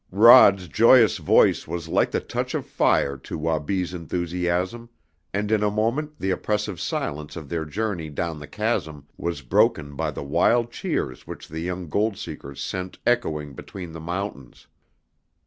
Rod's joyous voice was like the touch of fire to Wabi's enthusiasm and in a moment the oppressive silence of their journey down the chasm was broken by the wild cheers which the young gold seekers sent echoing between the mountains.